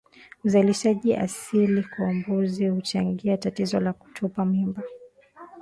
Uzalishaji asili kwa mbuzi huchangia tatizo la kutupa mimba